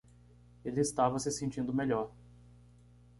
Ele estava se sentindo melhor